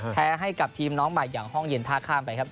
ให้กับทีมน้องใหม่อย่างห้องเย็นท่าข้ามไปครับ